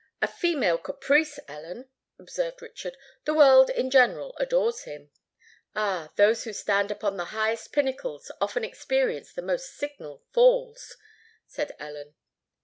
"A female caprice, Ellen," observed Richard. "The world in general adores him." "Ah! those who stand upon the highest pinnacles often experience the most signal falls," said Ellen.